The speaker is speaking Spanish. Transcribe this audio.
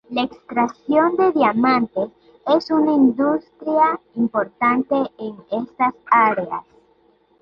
La extracción de diamantes es una industria importante en estas áreas.